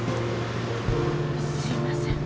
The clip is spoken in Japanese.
すいません。